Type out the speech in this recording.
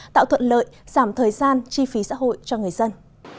tạo thuận lợi giảm thời gian chi phí xã hội cho người dân